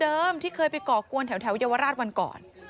ตอนเติมที่เคยไปก่อกวนแถวญวราชวันก่อน